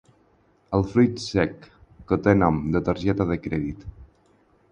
El fruit sec que té nom de targeta de crèdit.